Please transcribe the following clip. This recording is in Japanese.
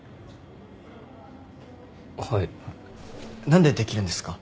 何でできるんですか？